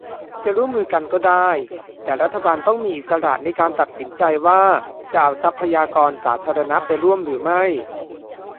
จะร่วมมือกันก็ได้ แต่รัฐบาลต้องมีอิสระในการตัดสินใจว่าจะเอาทรัพยากรสาธารณะไปร่วมหรือไม่